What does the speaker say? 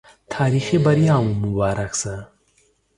تاريخي بریا مو مبارک سه